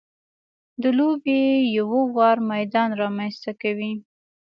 د لوبې یو ه وار میدان رامنځته کوي.